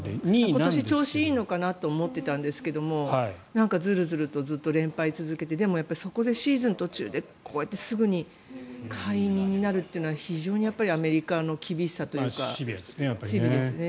今年は調子がいいのかなと思っていたけどずるずるとずっと連敗を続けてそこでシーズン途中でこうやってすぐに解任になるっていうのは非常にアメリカの厳しさというかシビアですね。